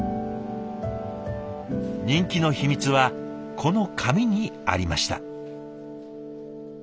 人気の秘密はこの紙にありました。